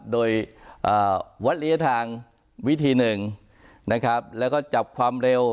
โดยวัดระยะทางวิธีหนึ่งนะครับแล้วก็จับความเร็ว